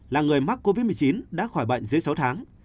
là người mắc covid một mươi chín đã khỏi bệnh dưới sáu tháng